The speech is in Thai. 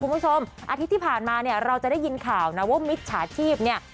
คุณผู้ชมอาทิตย์ที่ผ่านมาเนี่ยเราจะได้ยินข่าวนะว่ามิจฉาชีพเนี่ย